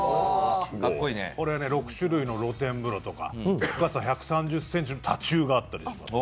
６種類の露天風呂とか、深さ１３０ｃｍの立ち湯があります。